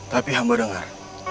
tapi hamba dengar